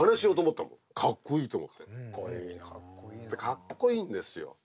かっこいいんですよ。